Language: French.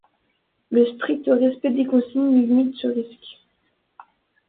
Le strict respect des consignes limite ce risque.